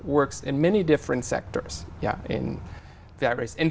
trong việc sử dụng